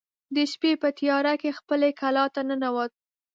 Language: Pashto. د شپې په تیاره کې خپلې کلا ته ننوت.